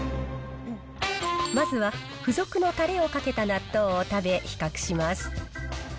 まずは付属のたれをかけた納豆を食べ、比較します。